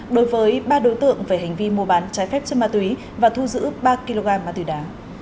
đối với ba đối tượng về hành vi mua bán trái phép chất ma túy và thu giữ ba kg ma túy đá